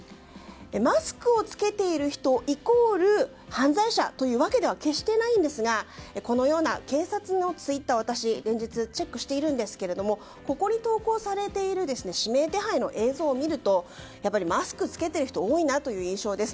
マスクを着けている人イコール犯罪者というわけでは決してないんですがこのような警察のツイッター私、連日チェックしているんですけどもここに投稿されている指名手配の映像を見るとやはりマスクを着けている人が多いなという印象です。